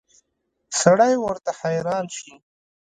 سړی ورته حیران شي.